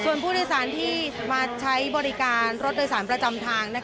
ส่วนผู้โดยสารที่มาใช้บริการรถโดยสารประจำทาง